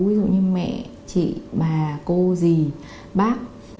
ví dụ như mẹ chị bà cô dì bác